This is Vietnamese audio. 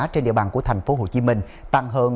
trên địa bàn của tp hcm tăng hơn